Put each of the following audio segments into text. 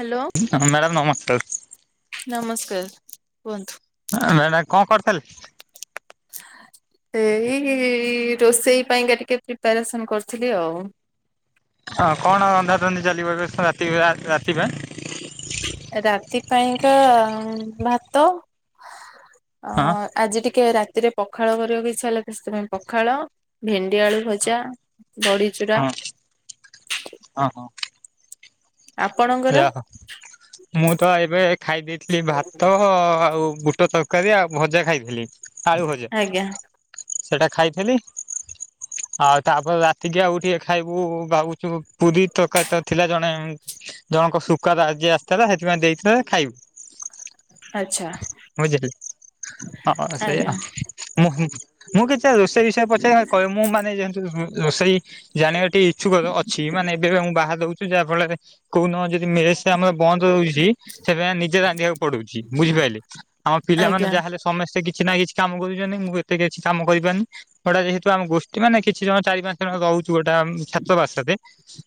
Hello. Madam ନମସ୍କାର୍। ନମସ୍କାର କୁହନ୍ତୁ। ଆ ମ୍ୟାଡ଼ାମ କଣ କରିଥିଲେ? [inaudible] ଏଇ ରୋଷେଇ ପାଇଁକା ଟିକେ ପ୍ରିପାରେସନ୍ କରୁଥିଲି ଆଉ। ହଁ କଣ ରନ୍ଧାରନ୍ଧି ଚାଲିିବ ଏବେ ରାତିପ ରାତି ପାଇଁ? ରାତି ପାଇଁକା ଭାତ। ଅ ହଁ। ଆଜି ଟିକେ ରାତିରେ ପଖାଳ କରିବାକୁ ଇଚ୍ଛା ହେଲା ସେଥିପାଇଁ ପଖାଳ, ଭେଣ୍ଡି ଆଳୁ ଭଜା। ବଡ଼ିଚୁରା। ହଁ ହଁ ହଁ। ଆପଣଙ୍କର? [unintelligible] ମୁଁ ତ ଏବେ ଖାଇ ଦେଇଥିଲି ଭାତ ଆଉ ବୁଟ ତ ତରକାରୀ ଆଉ ଭଜା ଖାଇଥିଲି, ଆଳୁ ଭଜା। ଆଜ୍ଞା ସେଇଟା ଖାଇଥିଲି। ଆଉ ତାପରେ ରାତିକି ଆଉ ଟିକେ ଖାଇବୁ ଭାବୁଚୁ ପୁରୀ ତରକାରି କରିଥିଲା ଜଣେ। ଜଣଙ୍କ ସୁକାରା ଆଜି ଆସିଥିଲା ସେଥିପାଇଁ ଦେଇଥିଲେ ଖାଇବୁ। ଆଚ୍ଛା। ବୁଝିଲେ। ହଁ ସେଇଆ। ଆଜ୍ଞା ମୁଁ ମୁଁ କିଛି ରୋଷେଇ ବିଷୟରେ ପଚାର କହିବ ମୁଁ ମାନେ ଯେ ରୋଷେଇ ଜାଣିବାଟି ଇଚ୍ଛୁକ ତ ଅଛି ମାନେ ଏବେ ଏବେ ମୁଁ ବାହା ଦୋଉଚି ଯାହା ଫଳରେ କୋଉଦିନ ଯଦି ମେସ ଆମର ବନ୍ଦ ରହୁଚି ସେଦିନ ନିଜେ ରାନ୍ଧିବାକୁ ପଡୁଚି ବୁଝିପାଇଲେ। ଆମ ପିଲାମାନେ ଆଜ୍ଞା ଯାହାଲେ ସମସ୍ତେ କିଛି ନା କିଛି କାମ କରୁଚନ୍ତି ମୁଁ ଏତେ କିଛି କାମ କରିପାରୁନି। ଭଡ଼ା ଯେହେତୁ ଆମ ଗୋଷ୍ଠି ମାନେ କିଛି ଜଣ ଚାରି ପା ଜଣ ରହୁଚୁ ଏଟା ଉଁ ଛାତ୍ର ବାସରେ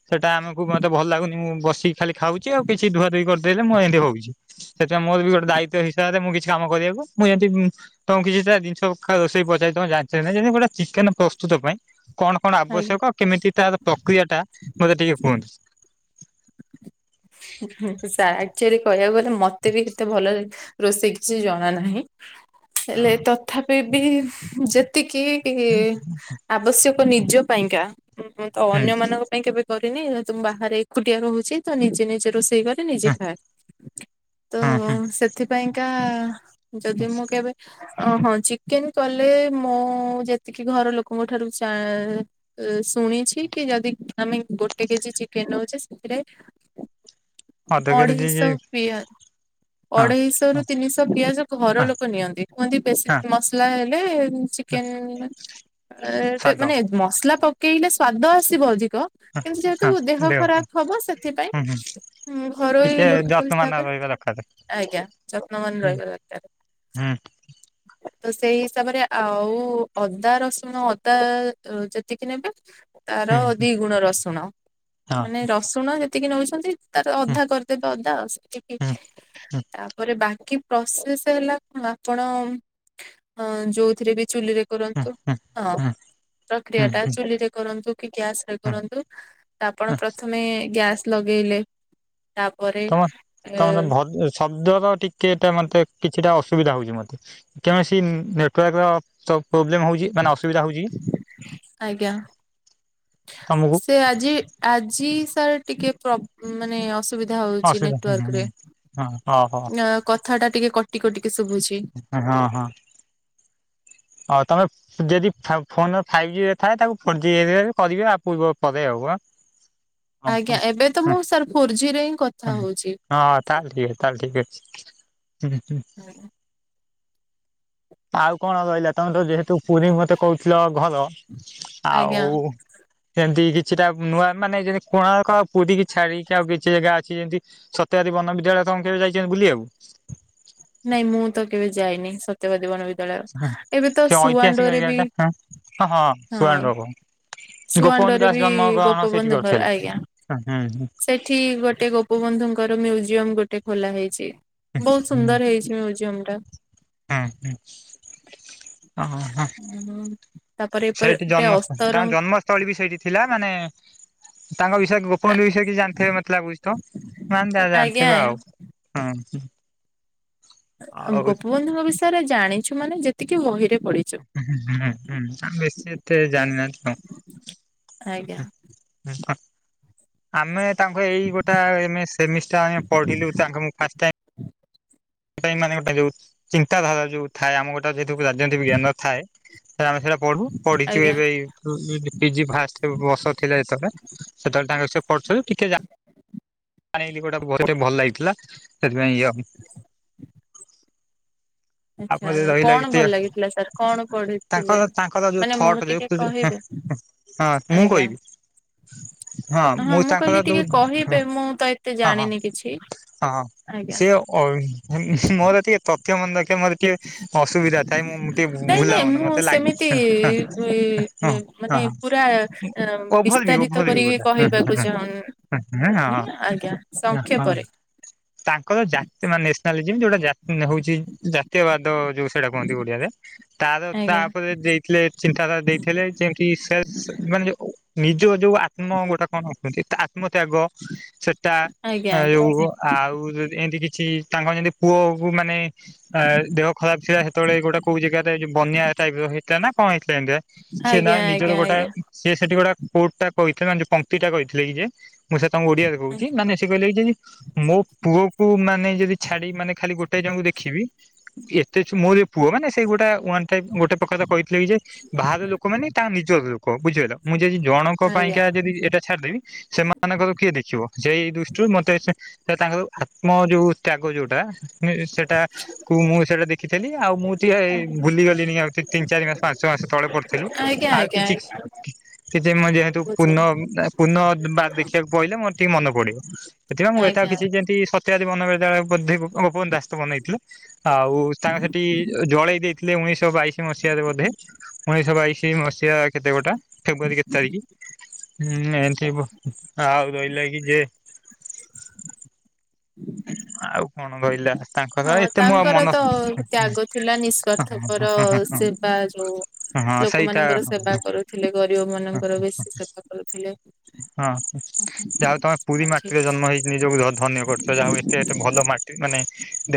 ସେଟା ଆମକୁ ମତେ ଭଲ ଲାଗୁନି ମୁଁ ବସ୍ ସିକି ଖାଲି ଖାଉଚି ଆଉ କିଛି ଧୁଆ ଧୁଇ କରିଦେଲେ ମୁଁ ଏମତି ହୋଉଚି। ସେଥିପାଇଁ ମୋର ବି ଗୋଟେ ଦାୟିତ୍ଵ ହିସାବରେ ମୁଁ କିଛି କାମ କରିବାକୁ ମୁଁ ଏମତି ଉଁ ତମୁ କିଛିଟା ଜିନଷ କା ରୋଷେଇ ପଚାରି ତମେ ଜାଣିଚ କି ନାଇଁ ଯେମିତି ଗୋଟେ ଚିକେନ ପ୍ରସ୍ତୁତ ପାଇଁ କଣ କଣ ଆଜ୍ଞା ଆବଶ୍ୟକ କେମିତି ତାର ପ୍ରକ୍ରିୟାଟା ମତେ ଟିକେ କୁହନ୍ତୁ? ହୁଁ ସାର୍ ଆକଚୁଆଲି କହିବାକୁ ଗଲେ ମତେ ବି ଏତେ ଭଲରେ ରୋଷେଇ କିଛି ଜଣା ନାହିଁ। ହୁଁ ହେଲେ ତଥାପି ବି ଯେତିକି କି ଆବଶ୍ୟକ ନିଜ ପାଇଁକା ଉଁ ତ ହୁଁ ଅନ୍ୟ ମାନଙ୍କ ପାଇଁ କେବେ କରିନି ଯେହେତୁ ମୁଁ ବାହାରେ ଏକୁଟିଆ ରହୁଚି ତ ନିଜେ ନିଜେ ରୋଷେଇ କରି ନିଜେ ହୁଁ ଖାଏ ତ ହୁଁ ସେଥିପାଇଁକା ଯଦି ମୁଁ କେବେ ଓହୋ ଚିକେନ କଲେ ମୁଁ ଯେତିକି ଘର ଲୋକଙ୍କ ଠାରୁ ଜା ଉ ଶୁଣିଛି କି ଯଦି ଆମେ ଗୋଟେ କେଜି ଚିକେନ ନୋଉଚେ ସେଥିରେ ଅଧ କେଜି ଅଢେଇଶ ପିଆ ହଁ। ଅଢେଇଶ ରୁ ତିନିଶ୍ ଶ ପିଆଜ ହଁ ଘରଲୋକ ନିଅନ୍ତି କୁହନ୍ତି ବେଶୀ ହଁ ମସଲା ହେଲେ ଉଁ ଚିକେନ ଅ ଯେ ସ୍ୱାଦ ମାନେ ମସଲା ପକେଇଲେ ସ୍ଵାଦ ଆସିବ ଅଧିକ ହଁ କିନ୍ତୁ ଯେହେତୁ ହଁ ଦେହ ପାଇଁ ଖରାପ ହବ ସେ ହୁଁ ହୁଁ ସେଥିପାଇଁଁ ଉଁ ଘରୋଇ ଟିକେ ଲୋକଙ୍କ ଯତ୍ନବାନ ରହିବା ହିସାବରେ ଦରକାର। ଆଜ୍ଞା ଯତ୍ନବାନ ହୁଁ ରହିବା ଦରକାର। ହୁଁ ତ ସେଇ ହିସାବରେ ଆଉ ଅଦା ରସୁଣ ଅଦା ଅ ଯେତିକି ନେବେ ହୁଁ ତାର ଦି ଗୁଣ ରସୁଣ ହଁ ମାନେ ରସୁଣ ଯେତିକି ନୋଉଛନ୍ତି ତାର ହୁଁ ଅଧା କରିଦେବେ ଅଦା ଆଉ ସେତିକି ହୁଁ ତାପରେ ବାକି ପ୍ରସେସ ହେଲା କଣ ଆପଣ ଅ ଯୋଉଥିରେ ବି ଚୁଲିରେ ହୁଁ କରନ୍ତୁ ହୁଁ ହଁ ହୁଁ। ହୁଁ ପ୍ରକ୍ରିୟାଟା ହୁଁ ଚୁଲିରେ କରନ୍ତୁ କି ଗ୍ୟାସ୍ ହୁଁ କରନ୍ତୁ ତ ଆପଣ ହୁଁ ପ୍ରଥମେ ଗ୍ୟାସ୍ ଲଗେଇଲେ ତାପରେ ତମ ଏ ତମର ଭ ଶବ୍ଦର ଟିକେ ତା ମତେ କିଛିଟା ଅସୁବିଧା ହୋଉଚି ମତେ। କୈଣସି ନେଟୱାର୍କର ତ ପ୍ରୋବ୍ଲେମ୍ ହୋଉଚି। ମାନେ ଅସୁବିଧା ହୋଉଚିକି ତମକୁ? ଏ ଆଜି ଆଜି ସାର ଟିକେ ପ୍ରୋ ମାନେ ଅସ୍ ସୁବିଧା ହୋଉଚି ଅସୁବିଧା ହୁଁ ହୁଁ ନେଟୱାର୍କରେ ହଁ ଓହୋ ଅଁ କଥାଟା ଟିକେ କଟି କଟିକି ଶୁଭୁଛି। ଅହଁ ହଁ। ଆଉ ତମେ ଯଦି ଫାଇ ଫୋନ ଫାଇପ୍ ଜିବିରେ ଥାଏ ତାକୁ ଫୋର୍ ଜିବି ଏରିଆରେ କରିବେ ଆ ପୂର୍ବ ପରେ ଆଉ ଆଁ। ହଁ ହଁ। ଆଜ୍ଞା ଏବେ ତ ହୁଁ ମୁଁ ସାର୍ ଫୋର ଜିରେ ହିଁ କଥା ହୁଁ। ହୋଉଚି। ହଁ ତାହେଲେ ଠିକ ତାହେଲେ ଠିକ ଅଛି ହୁଁ ହୁଁ। [unintelligible] ଆଉ କଣ ରହିଲା ତମେ ତ ଯେହେତୁ ପୁରୀ ମତେ କୋହୁଥିଲ ଘର ଆଉ ଆଜ୍ଞା ସେମତି କିଛିଟା ନୂଆ ମାନେ ଯେମତି କୋଣାର୍କ ଆଉ ପୁରୀକି ଛାଡ଼ିକି ଆଉ କିଛି ଜେଗା ଅଛି ଯେମତି ସତ୍ୟବାଦୀ ବନ ବିଦ୍ୟାଳୟ କଣ କେବେ ଯାଇଚନ୍ତି ବୁଲିବାକୁ? ନାଇଁ ମୁଁ ତ କେବେ ଯାଇନି ସ ତ୍ୟବାଦୀ ବନବିଦ୍ୟାଳୟ ଏବେ ତ ସେ ଐତିହାସିକ ସୁଆଣ୍ଡୋରେ ବି ଜାଗାଟା ହଁ ହଁ ହଁ। ସୁଆଣ୍ଡୋ ଗୋପବନ୍ଧୁ ସୁଆଣ୍ଡରେ ଦାସ ବି ଜନ୍ମ ଗ୍ରହଣ ସେଇଠି ଗୋପବନ୍ଧୁଙ୍କର କରିଥିଲେ। ଆଜ୍ଞା ହୁଁ ହୁଁ ସେଠି ଗୋଟେ ଗୋପ ଗୋବନ୍ଧୁଙ୍କର ମ୍ୟୁଜିୟମ ଗୋଟେ ଖୋଲା ହେଇଛି ବହୁତ ସୁନ୍ଦର ହେଇଛି ମ୍ୟୁଜିୟମ ଟା ହୁଁ ହଁ ହଁ ହଁ ହୁଁ ତାପରେ ଏପରି ଗୋଟେ ଅସ୍ତରଙ୍ଗ ତଳି ବି ସେଇଠି ଥିଲା ମାନେ ତାଙ୍କ ବିଷୟରେ ଆ ଗୋପବନ୍ଧୁ ବିଷୟରେ କିଛି ଜାଣିଥିବେ ମତେ ଲାଗୁଛି ମାନେ ଯାହା ଆଜ୍ଞା ଜାଣିଥିବେ ଆଉ ହଁ ହଁ ଗୋପବନ୍ଧୁଙ୍କ ବିଷୟରେ ଜାଣିଛୁ ମାନେ ଯେତିକି ବହିରେ ପଡି ହୁଁ ହୁଁ ଆମ ବେଶୀ ଏତେ ଜାଣିିନାହାଁନ୍ତି ଆଉ ଆଜ୍ଞା ହଁ ଆମେ ତାଙ୍କ ଏଇ ଗୋଟେମେ ସେମିଷ୍ଟ ଆ ପଢିଲୁ ତାଙ୍କ ମୁ ଫାସ୍ ଟାଇମ ହ ସେଇ ପାଇଁ ମାନେ ଗୋଟେ ଯୋଉ ଚିନ୍ତାଧାରା ଯଉଥାଏ ଆମ ଗୋଟେ ଯେହେୁ ରାଜନୈତିକ ଜ୍ଞାନ ଥାଏ ସେ ଆମେ ସେଇଟା ପଢୁ ପଢିଛୁ ଆଜ୍ଞା ଏବେ ଏଇ ପିଜି ଫା ବର୍ଷ ଥିଲା ଯେତେବେଳେ ସେତେବେଳେ ତାଙ୍କ ସ ପଢୁଥିଲୁ ଟିକେ ଆଣି ଗୋଟା ବତେ ଭଲ ଲାଗିଥିଲା ସେଥିପାଇଁ ଇଏ ଆଚ୍ଛା ଆପଣ ଯି ରହିଲେ କଣ ଭଲ ଜେତିକ ଲାଗିଥିଲା ସାର୍ କଣ ପଢିଥିଲେ? ତାଙ୍କର ତାଙ୍କର ଯୋଉ ମାନେ ମୁଁ ଥଟ ଯୋଉ ଟିକେ ହୁଁ କହିବେ ହଁ ମୁଁ ଆଜ୍ଞା କହିବି ହଁ ମୁଁ କହିଲି ତାଙ୍କର ଟିକେ ଯୋଉ କହିବେ ହ ମୁଁ ତ ଏତେ ହଁ ହଁ ଜାଣିନି କିଛି ହଁ ହଁ ଆଜ୍ଞା ସେ ମୋର ଟିକେ ତଥ୍ୟ ମନେ ରଖେ ମର ଟିକେ ଅସୁବିଧା ଥାଏ ମୁଁ ଟିକେ ନାଇଁ ନାଇଁ ଭୁଲାମନ ମୁଁ ମତେ ଲାଗେ ସେମିତି ହଁ ମାନେ ହଁ ହ ପୁରା ଓଭର ଭ୍ୟୁ ବିସ୍ତାରିତ ଓଭର ଭ୍ୟୁ କରିକି ଗୋଟେ କହିବାକୁ ଚାହୁଁନି ହଁ ଆଜ୍ଞା ହଁ ହଁ ସଂକ୍ଷେପରେ ତାଙ୍କର ଜାତି ମାନେ ନେସନାଲିଜମ ଯୋଉଟା ଜା ହଉଛି ତୀୟ ବାଦ ଯୋଉ ସେଟା କୁହନ୍ତି ଓଡିଆରେ ତାର ଆଜ୍ଞା ତାପରେ ଜ ଥିଲେ ଚିନ୍ତାଧାରା ଦେଇଥିଲେ ଯେମତି ସେ ମାନେ ନିଜ ଯୋଉ ଆତ୍ମ ଗୋଟେ କଣ ଅଛନ୍ତି ଆତ୍ମତ୍ୟାଗ ସେ ତା ଆଜ୍ଞା ଆଜ୍ଞା ଯୋଉ ଆଉ ଏମତି କିଛି ତାଙ୍କ ଯେମିତି ପୁଅକୁ ମାନେ ଦେହ ଖରାପ ଥିଲା ସେତେଳେ ଗୋଟେ କଉ ଜାଗାର ଜେଉ ବନ୍ୟା ଟାଇପ ର ହେଇଥିଲା ନା କଣ ହେଇଥିଲା ଏମିତିଆ ସେ ନା ଆଜ୍ଞା ନିଜର ଆଜ୍ଞା ଗୋଟେ ଆଜ୍ଞା ସେ ସେଠି ଗୋଟା କୋର୍ଟା କହିଥିଲେ ମାନେ ପକ୍ତିଟା କହିଥିଲେ କି ଯେ ମୁଁ ସେ ତାଙ୍କୁ ଓଡିଆ କହୁଛି ମାନେ ସେ କହିଲେ କି ଯେ ମୋ ପୁଅ କ ମାନେ ଯଦି ଛାଡି ମାନେ ଖାଲି ଗୋଟାଏ ଜଣଙ୍କୁ ଦେଖିବି ଏତେ ପୁଅ ମାନେ ସେଇ ଗୋଟେ ଟ ଗୋଟେ ପ୍ରକାର ତ କହିଥିଲେ କି ଯେ ବାହାର ଲୋକ ମାନେ ତା ନିଜର ଲୋକ ବୁଝିଗାରିଲ ମୁଁ ଯଦି ଜଣଙ୍କ ଆଜ୍ଞା ପାଇଁକା ଯଦି ଏଟା ଛାଡିଦବି ସେମା ମାନଙ୍କର କିଏ ଦେଖିବ ସେଇ ଦୃଷ୍ଟିରୁ ମତେ ତାଙ୍କର ଆତ୍ମ ଯୋଉ ତ୍ୟାଗ ଯୋଉଟା ହ ସେଟା କୁ ମୁଁ ସେଇଟା ଦେଖିଥିଲି ଆଉ ମୁଁ ଟିକିଏ ଭୁଲିଗଲିଣିି ଆଉ ତିନି ଚାରି ମାସ ପାଞ୍ଚ ମାସ ତଳେ ପଡ଼ିଥିଲୁ ଆଜ୍ଞା ଆଜ୍ଞା ଆଜ୍ଞା ସେଥି ପାଇଁ ଯେହେତୁ ପୂର୍ଣ୍ଣ ବୁଝିଲି ପୁର୍ଣ୍ଣ ବାର ଦେଖିବାକୁ ପହିଲେ ମୋର ଟିକେ ମନେ ପଡିବ ସେଥିପାଇଁ ମୁଁ ଏତେ ଆଉ ଆଜ୍ଞା କିଛି ଯେମିତି ସତ୍ୟବାଦି ବନବିଦ୍ୟାଳୟ ବଧ ଗୋପବନ ଦାସ୍ ତ ବନେଇଥିଲେ। ଆଉ ତାଙ୍କ ସେଠି ଜଳେଇ ଦେଇଥିଲେ ଉଣେଇଶିଶହ ବାଇଶି ମସିହାରେ ବୋଧେ ଉଣେଇଶହ ବାଇଶି ମସିହା କେତେ ଗୋଟେ ଫେବୃଆରୀ କେତେ ତାରିଖି ଏମତି ଆଉ ରହିଲା କି ଯେ ଆଉ କଣ ରହିଲା। ତାଙ୍କର ହଁ ଏତେ ମୁଁ ଆଉ ତାଙ୍କର ମନ ତ ହଁ ତ୍ୟାଗ ଥିଲା ହଁ ନିଃସ୍ୱାର୍ଥପର ସେବା ଯୋଉ ହଁ ହଁ ସେଇଟା ଲୋକମାନଙ୍କର ହଁ ସେବା କରୁଥିଲେ ଗରିବ ମାନଙ୍କର ବି ସେ ସେବା କରୁଥିଲେ। ହଁ ଯାହା ହଉ ତମେ ଆ ପୁରୀ ଠିକ ମାଟିରେ ଅଛି ଜନ୍ମ ହେଇକି ନିଜକୁ ଧନ୍ୟ କର ଯାହ ହଉ ଏତେ ଏତେ ଭଲ ମା ଟି ମାନେ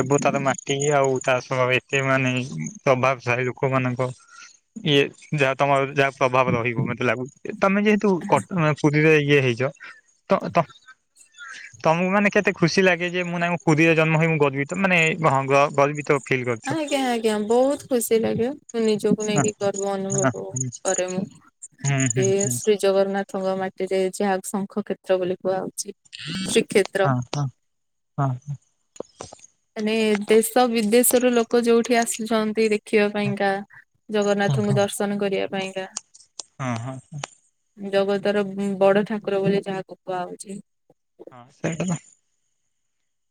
ଦେବତାର ମାଟି ଆଉ ତା ସହ ଏତେ ମାନେ ପ୍ରଭାବଶାଳୀ ଲୋକମାନଙ୍କ ଇଏ ଯାହା ତମର ଯାହା ପ୍ରଭାବ ରହିବ ମତେ ଲାଗୁଚି ତମେ ଯେହେତୁ କଟ୍- ପୁରୀରେ ଯାଇକି ଇଏ ହେଇଚ ତ -ତ ତମକୁ ମାନେ କେତେ ଖୁସି ଲାଗେ ଯେ ମୁଁ ନାହିଁ ମୁଁ ପୁରୀରେ ଜନ୍ମ ହୋଇ ମୁଁ ଗର୍ବିତ ମାନେ ହଁ ଗ- ଗର୍ବିତ। ଫିଲ୍ କରୁଛ। ଆଜ୍ଞା -ଆଜ୍ଞା ବହୁତ୍ ଖୁସି ଲାଗିବ। ମୁଁ ନିଜକୁ ହଁ ନେଇକି ଗର୍ବ ହଁ ଅନୁଭବ ହୁଁ କରେ ମୁଁ ହୁଁ ହୁଁ କି ଶ୍ରୀ ଜଗନ୍ନାଥଙ୍କ ମାଟିରେ ଯାହାକୁ ଶଙ୍ଖ କ୍ଷେତ୍ର ବୋଲି କୁହାହଉଚି। ହଁ -ହଁ -ହଁ -ହଁ। ମାନେ ଦେଶ ବିଦେଶରୁ ଲୋକ ଯଉଠି ଆସିଛନ୍ତି ଦେଖ ଖିବା ପାଇଁକା ହଁ ଜଗନ୍ନାଥଙ୍କୁ ଦର୍ଶନ କରିବା ପାଇଁକା। ହଁ- ହଁ। ଜଗତର ଉଁ- ବଡ ଠାକୁର ବୋଲି ଯାହାକୁ କୁହାହଉଚି। ହଁ ସେଇଟା ତ।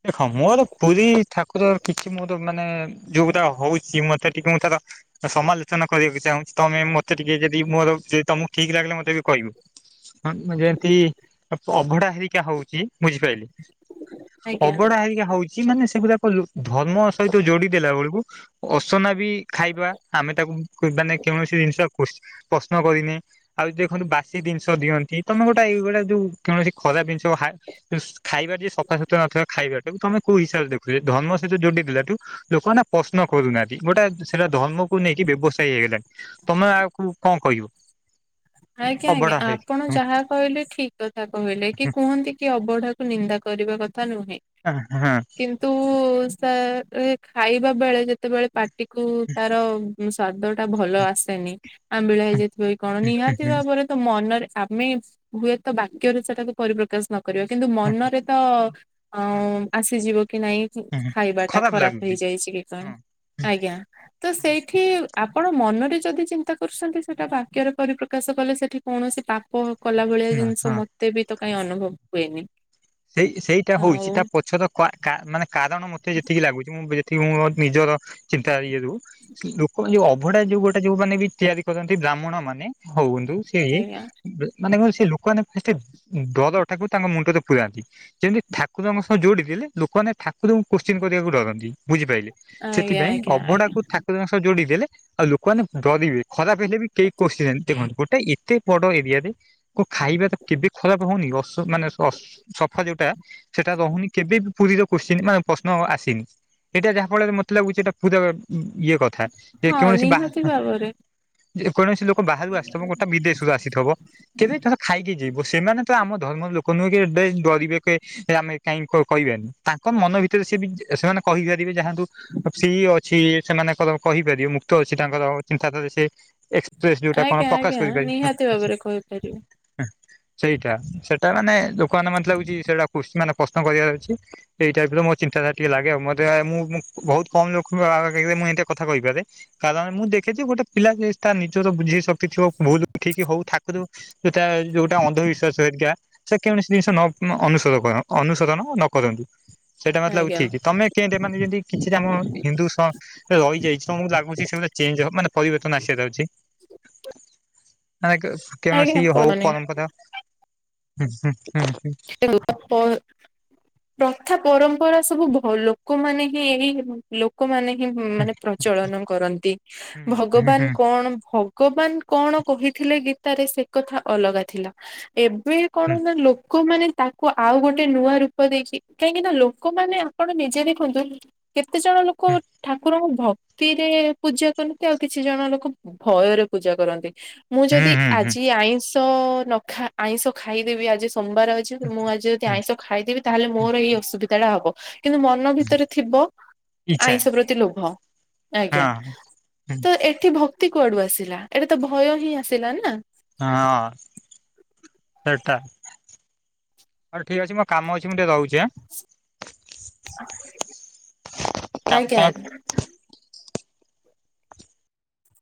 ଦେଖ ମୋର ପୁରୀ ଠାକୁର କିଛି ମୋର ମାନେ ଯଉରା ହଉଚି ମତେ ଟିକେ ମୁଁ ତାର ସମାଲୋଚନା କରିବାକୁ ଚାହୁଁଚ ତମେ ମତେ ଟିକେ ଯଦି ମୋର ଯେ ତମକୁ ଠିକ୍ ଲାଗିଲା ମତେ ବି କହିବ। ହଁ ଯେମତି ଅପ୍ -ଅଭଢା ହେରିକା ହଉଚି ବୁଝିପାଇଲେ। [inaudible] ଅବଢା ହେରିକା ହଉଚି ମାନେ ସେଗୁଡ଼ାକ ଧର୍ମ ସହିତ ଯଡି ଦେଲା ବଳକୁ ଅସନା ବି ଖାଇବା ଆମେ ତାକୁ ଅ- ମାନେ କୌଣସି ଜିନିଷ କୁ-ପ୍ରଶ୍ନ କରିନି। ଆଉ ଦେଖନ୍ତୁ ବାସି ଜିନିଷ ଦିଅନ୍ତି ତମେ ଗୋଟେ ଏଇ ଗୋଟେ ଯୋଉ କୌଣସି ଖରାପ ଜିନିଷ ହା ଯେ ଖାଇବା ଯଦି ସଫା ସୁତୁରା ନଥିବ ଖାଇବାଟାକୁ ତମେ କଉ ହିସାବରେ ଦେଖୁଚ ଧର୍ମ ସହିତ ଯୋଡି ଦେଲାଠୁ ଲୋକମାନେ ପ୍ରଶ୍ନ କରୁନାହାନ୍ତି। ଗୋଟା ସେଟା ଧର୍ମକୁ ନେଇକି ବ୍ୟବସାୟୀ ହେଇଗଲାଣି। ତମେ ଆକୁ କଣ କହିବ? ଆଜ୍ଞା -ଆଜ୍ଞା ଅବଢା ହେଇ ଆପଣ ଯାହା କହିଲେ ଠିକ୍ କଥା କହିଲେ କି କୁହନ୍ତି କି ଅବଢାକୁ ନିନ୍ଦା କରିବା କଥା ନୁହେଁ। ହାଁ -ହାଁ। କିନ୍ତୁ ସା- ଏ ଖାଇବା ବେଳେ ଯେତେବେଳେ ପାଟିକୁୁ ତାର ବି ସ୍ଵାଦ ଟା ଭଲ ଆସେନି ଆମ୍ବିଳା ହେଇଯାଇଥିବ ଜି କଣ ନିହା ରେ ତ ମନରେ ଆମେ ହୁଏ ତ ବାକ୍ୟରେ ସେଟାକୁ ପରିପ୍ରକାଶ ନ କରିବା କିନ୍ତୁ ମନରେ ତ ଆଁ ଆସିଯିବ କି ନାଇଁ ଖାଇବା ଟା ଖରାପ ଖରାପ୍ ଲାଗୁଛି ହେଇଯାଇଚି କି କଣ ଆଜ୍ଞା ତ ହଁ। ସେଇଠି ଆପଣ ମନରେ ଯଦି ଚିନ୍ତା କରୁଚନ୍ତି ସେଇଟା ବାକ୍ୟରେ ପରିପ୍ର କାଶ କଲେ ସେଠି କୌଣସି ପାପ କଲା ଭଳିଆ ନା ଜିନିଷ ହଁ। ମତେ ବି ତ କାଇଁ ଅନୁଭବ ହୁଏନି। ସେଇ -ସେଇଟା ହଉଚି ଆଉ ତା ପଛର କ -କା -ମାନେ କାରଣ ମତେ ଯେତିକି ଲାଗୁଚି ମୁଁ ଯେତିକି ମୋ ନିଜର ଚିତା ଇଏ ରୁ ଲୋକ ଯଉ ଅଭଢା ଯଉ ଗୋଟେ ଯଉମାନେ ବି ତିଆରି କରନ୍ତି ବ୍ରାହ୍ମଣ ମାନେ ହଉନ୍ତୁ ସିଏ ଆଜ୍ଞା ବ ମାନେ ସେ ଲୋକମାନେ ଡରଟାକୁ ତାଙ୍କ ମୁଣ୍ଡ ରେ ପୁରାନ୍ତି ଯେମିତି ଠାକୁରଙ୍କ ସହ ଯୋଡ଼ିଥିଲେ ଲୋକମାନେ ଠାକୁରଙ୍କୁ କୋଶ୍ଚିନ୍ କରିବାକୁ ଡରନ୍ତି ବୁଝିପାଇଲେ। ଆଜ୍ଞା ସେଥିପାଇଁ ଆଜ୍ଞା ଆଜ୍ଞା। ଅଭଡା କୁ ଠାକୁରଙ୍କ ସହ ଯୋଡି ଦେଲେ ଆଉ ଲୋକମାନେ ଡରିବେ ଖରାପ ହେଲେ ବି କେହି କୋଷିବେନି ଦେଖନ୍ତୁ ଗୋଟେ ଏତେ ବଡ ଏରିଆରେ କୁ ଖାଇବା ତ କେବେ ଖରାପ୍ ହଉନି ଅସ ମାନେ ଅସ୍ ସଫା ଯଉଟା ସେଟା ରହୁନି କେବେ ବି ପୁରୀରେ କୋସ୍ଚିନ୍ ମାନେ ପ୍ରଶ୍ନ ଆସିନି। ଏଇଟା ଯାହା ଫଳରେ ମତେ ଲାଗୁଚି ଏଇଟା ପୂରା ଇ -ଇଏ କଥା ଯେ ହଁ କୌଣସି ନିହାତି ବାହା ଭାବରେ ଯେ କୌଣସି ଲୋକ ବାହାରୁ ଆସିଥିବ କୋଥା ବିଦେଶରୁ ଆସିଥିବ କେବେ ତାହା ଖାଇକି ଯିବ ସେମାନେ ତ ଆମ ଧର୍ମର ଲୋକ ନୁହେଁ କି ବେଶ ଡରିବେ କେ ଆମେ କାହିଁ କ-କହିବେନି ତାଙ୍କ ମନ ଭିତରେ ସେ -ସେମାନେ କହିପାରିବେ ଯାହାନ୍ତୁ ସିଏ ଅଛି ସେମାନଙ୍କର କହିପାରିବ ମୁକ୍ତ ଅଛି ତାଙ୍କର ଚିନ୍ତାଧାରାରେ ସେ ଏସ୍ ଟ୍ରେଶ୍ ଯୋଉଁଟା କଣ ଆଜ୍ଞା ପ୍ରକାଶ ଆଜ୍ଞା କରିପାରି ନିହାତି ଭାବରେ କହିପାରିବେ। ସେଇଟା ସେଇଟା ମାନେ ଲୋକମାନେ ମତେ ଲାଗୁଛି ସେଇଟା କୃଷିମାନେ ପ୍ରଶ୍ନ କରିବାର ଅଛି? ଏଇ ଟାଇପର ମୋ ଚିନ୍ତାଧାରା ଟିକେ ଲାଗେ। ମତେଆ ମୁଁ ବହୁତ କମ ଲୋକଙ୍କ ମୁଁ ଏ କଥା କହିପାରେ। କାରଣ ମୁଁ ଦେଖିଛି ଗୋଟେ ପିଲା ସେ ତା ନିଜର ବୁଝେଇ ସ ଦେଖିବ ବହୁତ ଠିକ ହୋଉ ଠାକୁର ଯୋଉଟା ଅନ୍ଧବିଶ୍ୱାସ ହେରିକା ସେକ ଜିନିଷ ନ ଅନୁସରଣ କର ଅନୁସରଣ ନକରନ୍ତି। ସେଇଟା ମତେ ଲାଗୁଛି ଆଜ୍ଞା ଠିକି। ତମେ କେନ୍ତୀ ମାନେ ଯେମିତି କିଛିଟା ଆମ ହିନ୍ଦୁ ସେ ରହିଯାଇଛି ତମକୁ ଲାଗୁଛି ସେଟା ଚେଞ୍ଜ ହବ ମାନେ ପରିବର୍ତ୍ତନ ଆସିବା ଯାଉଛି। ମାନେ କେ ଆଜ୍ଞା କେନୋସି କରନି ପରମ୍ପରା ହୁଁ ହୁ ହୁ। ସେ [unintelligible] ପ୍ରଥା ପରମ୍ପରା ସବୁ ଭ ଲୋକମାନେ ହିଁ ଏଇ ଲୋକମାନେ ହିଁ ମାନେ ପ୍ରଚଳନ କରନ୍ତି। ଭଗବାନ କଣ ଭ ଭଗବାନ କଣ କହିଥିଲେ ଗୀତାରେ ସେ କଥା ଅଲଗା ଥିଲା। ଏବେ କଣ ନା ଲୋକ କମାନେ ତାକୁ ଆଉ ଗୋଟେ ନୂଆ ରୂପ ଦେଇଛି କାହିଁକି ନା ଲୋକମାନେ ଆପଣ ନିଜେ ଦେଖନ୍ତୁ କେତେ ଜଣ ଲୋକ ଠାକୁରଙ୍କୁ ଭକ୍ ଭକ୍ତିରେ ପୂଜା କରନ୍ତି ଆଉ କିଛି ଜଣ ଲୋକ ଭୟରେ ପୂଜା କରନ୍ତି। ମୁଁ ଯଦି ଆଜି ଆଇଁଷ ନଖା ଆଇଁଷ ଖାଇଦେବି ଆଜି ସୋମବାର ଅ ଅଛି। ମୁଁ ଆଜି ଯଦି ଆଇଁଷ ଖାଇଦେବି ତାହଲେ ମୋ ଏଇ ଅସୁବିଧାଟା ହବ। କିନ୍ତୁ ମନ ଭିତରେ ଥିବ ଇଚ୍ଛା ଆଇଁଷ ପ୍ରତି ଲୋଭ ଆଜ୍ଞା। ହଁ ତ ଏଠି ଭକ୍ତି କୁଆଡୁ ଆସିଲା? ଏଟା ତ ଭୟ ହିଁ ଆସିଲା ନା। ହଁ ସେଟା ହଉ ଠିକ ଅଛି। ମୋର କାମ ଅଛି ମୁଁ ଟିକେ ରହୁଛି ଆଁ। କାମ- ଆଜ୍ଞା ତମେ ଆଜ୍ଞା।